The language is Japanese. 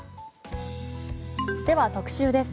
では特集です。